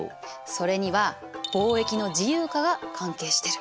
それには貿易の自由化が関係してる。